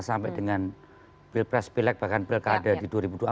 sampai dengan pilpres pelek bahkan belkada di dua ribu dua puluh empat